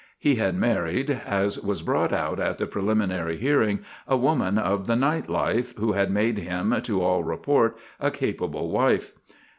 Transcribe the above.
He had married, as was brought out at the preliminary hearing, a woman of the night life, who had made him, to all report, a capable wife.